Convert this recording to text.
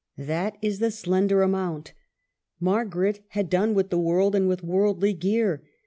That is the slender amount. Margaret had done with the world and with worldly gear.